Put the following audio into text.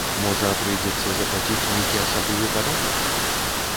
Можа, прыйдзецца заплаціць нейкі асаблівы падатак?